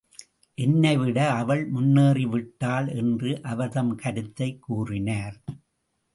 என்னைவிட அவள் முன்னேறி விட்டாள் என்று அவர் தம் கருத்தைக் கூறினார்.